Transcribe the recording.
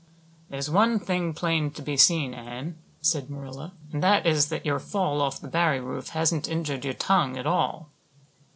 "There's one thing plain to be seen, Anne," said Marilla, "and that is that your fall off the Barry roof hasn't injured your tongue at all."